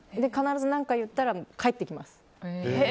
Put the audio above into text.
必ず何か言ったら返ってきます。